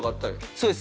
そうです。